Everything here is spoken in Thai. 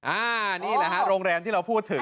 อันนี้แหละฮะโรงแรมที่เราพูดถึง